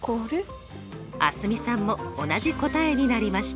蒼澄さんも同じ答えになりました。